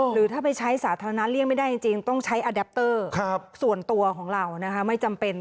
หรือถ้าไปใช้สาธารณะเลี่ยงไม่ได้จริงต้องใช้อดับเตอร์ส่วนตัวของเราไม่จำเป็น